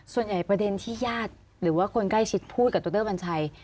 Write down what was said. ส่วนใหญ่ประเด็นที่ญาติหรือว่าคนใกล้ชิดพูดกับโตเตอร์บัญชัย